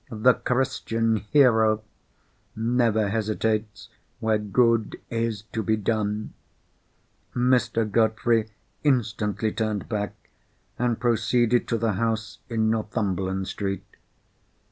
The Christian Hero never hesitates where good is to be done. Mr. Godfrey instantly turned back, and proceeded to the house in Northumberland Street.